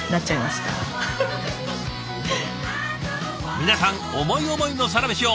皆さん思い思いのサラメシを！